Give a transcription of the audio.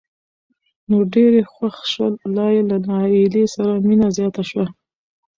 نو ډېر یې خوښ شول لا یې له نایلې سره مینه زیاته شوه.